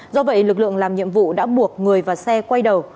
do vậy lực lượng làm nhiệm vụ đã buộc người và xe quay đầu